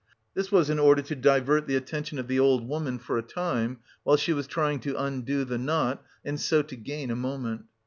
This was in order to divert the attention of the old woman for a time, while she was trying to undo the knot, and so to gain a moment.